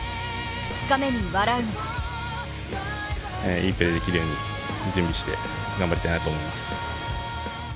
いいプレーできるように準備して頑張りたいなと思います。